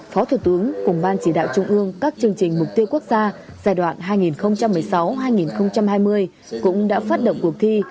phó thủ tướng cùng ban chỉ đạo trung ương các chương trình mục tiêu quốc gia giai đoạn hai nghìn một mươi sáu hai nghìn hai mươi cũng đã phát động cuộc thi